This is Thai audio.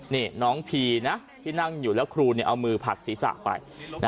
นี่น้องพีร์ที่นั่งอยู่และเอามือผักศีรษะป่าย